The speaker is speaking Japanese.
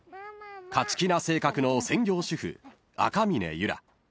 ［勝ち気な性格の専業主婦赤峰ゆら］